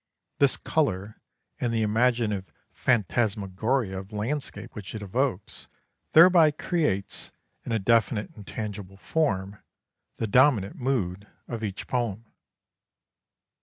This colour, and the imaginative phantasmagoria of landscape which it evokes, thereby creates, in a definite and tangible form, the dominant mood of each poem.